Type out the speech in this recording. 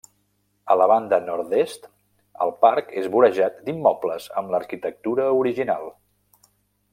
A la banda Nord-est, el parc és vorejat d'immobles amb l'arquitectura original.